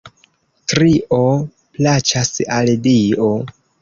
Trio plaĉas al Dio.